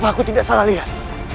aku tidak salah lihat